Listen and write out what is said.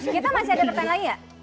kita masih ada pertanyaan lagi nggak